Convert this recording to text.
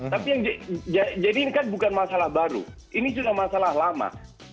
tapi yang jadi ini kan bukan masalah baru ini sudah masalah lama